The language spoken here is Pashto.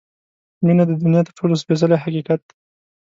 • مینه د دنیا تر ټولو سپېڅلی حقیقت دی.